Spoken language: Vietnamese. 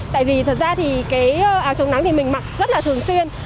tại vì thật ra thì cái áo chống nắng thì mình mặc rất là thường xuyên